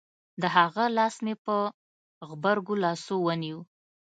د هغه لاس مې په غبرگو لاسو ونيو.